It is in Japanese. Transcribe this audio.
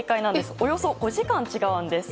およそ５時間も違うんです。